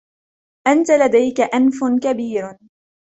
أنتَ لديكَ أنف كبير.